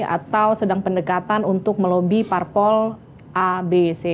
atau sedang pendekatan untuk melobi parpol a b c